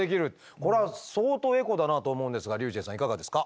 これは相当エコだなと思うんですがｒｙｕｃｈｅｌｌさんいかがですか？